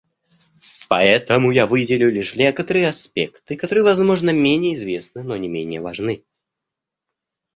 Поэтому я выделю лишь некоторые аспекты, которые, возможно, менее известны, но не менее важны.